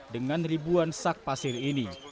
dengan ribuan sak pasir ini